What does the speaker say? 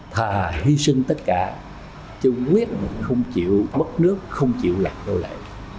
thà hy sinh tất cả trung quyết mình không chịu mất nước không chịu lạc đô lệ